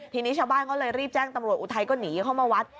ทีนี้ชาวบ้านเขาเลยรีบแจ้งตำรวจอุทัยก็หนีเข้ามาวัด